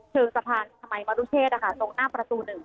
ถึงสะพานชมัยมรุเชษตรงหน้าประตูหนึ่ง